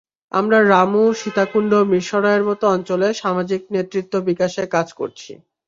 আমরা রামু, সীতাকুণ্ড, মিরসরাইয়ের মতো অঞ্চলে সামাজিক নেতৃত্ব বিকাশে কাজ করছি।